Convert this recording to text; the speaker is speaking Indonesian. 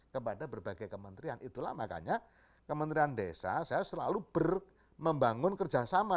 kepada berbagai kementerian itulah makanya kementerian desa saya selalu membangun kerjasama